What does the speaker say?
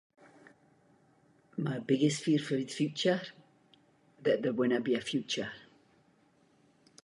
My biggest fear for the future, that there winna be a future.